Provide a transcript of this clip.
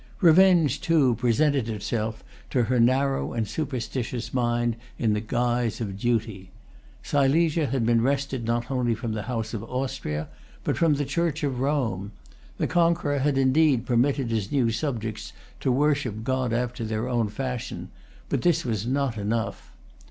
Revenge, too, presented itself to her narrow and superstitious mind in the guise of duty. Silesia had been wrested not only from the House of Austria, but from the Church of Rome. The conqueror had indeed permitted his new subjects to worship God after their own fashion; but this was not enough.